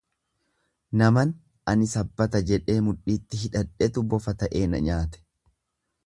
Naman ani sabbata jedhee mudhitti hidhadhetu bofa ta'ee na nyaate.